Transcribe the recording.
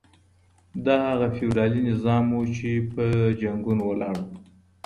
دا هغه فيوډالي نظام و چي په جنګونو ولاړ و.